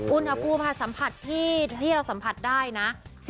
อุ่นครับครับสัมผัสที่ที่เราสัมผัสได้นะ